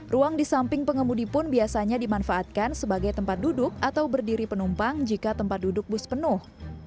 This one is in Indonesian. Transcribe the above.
ruang di samping pengemudi pun biasanya dimanfaatkan sebagai tempat duduk atau berdiri penumpang jika tempat duduk bus penuh